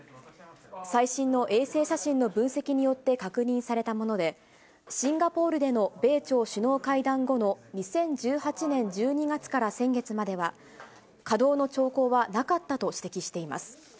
最新の衛星写真の分析によって確認されたもので、シンガポールでの米朝首脳会談後の２０１８年１２月から先月までは、稼働の兆候はなかったと指摘しています。